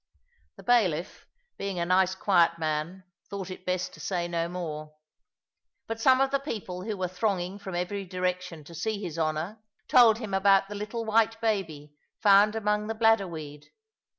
The bailiff, being a nice quiet man, thought it best to say no more. But some of the people who were thronging from every direction to see his Honour, told him about the little white baby found among the bladder weed.